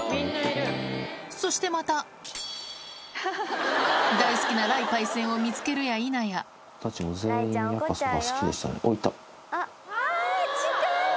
そしてまた大好きな雷パイセンを見つけるや否やあ近い！